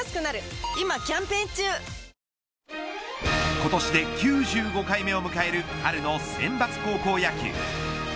今年で９５回目を迎える春の選抜高校野球。